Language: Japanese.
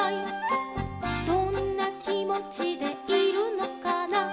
「どんなきもちでいるのかな」